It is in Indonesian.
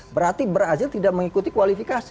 berarti brazil tidak mengikuti kualifikasi